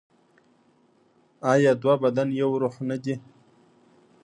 آیا دوه بدن یو روح نه دي؟